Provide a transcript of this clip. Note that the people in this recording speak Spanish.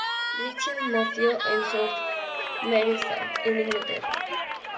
Mitchell nació en Southport, Merseyside, en Inglaterra.